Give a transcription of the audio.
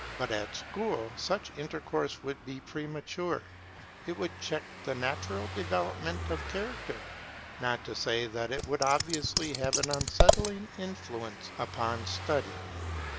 But at school such intercourse would be premature; it would check the natural development of character, not to say that it would obviously have an unsettling influence upon study.